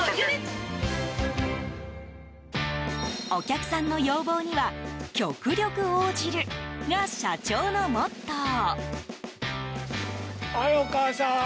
お客さんの要望には極力応じるが社長のモットー。